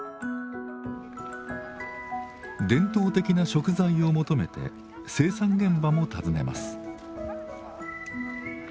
伝統的な食材を求めて生産現場も訪ねます。